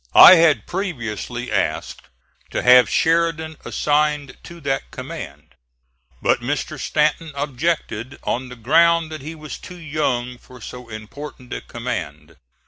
I had previously asked to have Sheridan assigned to that command, but Mr. Stanton objected, on the ground that he was too young for so important a command.